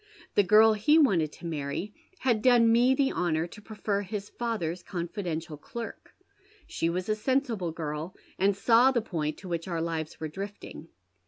The girl he wanted to many had done me the honour to prefer his father's confidential clerk. She was a sensible girl, and saw the point to wliich our lives were drifting.